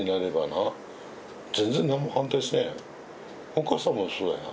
お母さんもそうだよ。